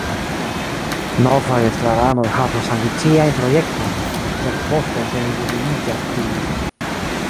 Novaj estraranoj havas ambiciajn projektojn, sed poste seniluziiĝas pri ili.